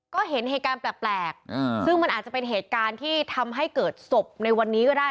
ก็เห็นเหตุการณ์แปลกซึ่งมันอาจจะเป็นเหตุการณ์ที่ทำให้เกิดศพในวันนี้ก็ได้